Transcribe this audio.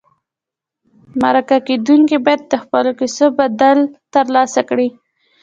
مرکه کېدونکي باید د خپلو کیسو بدل ترلاسه کړي.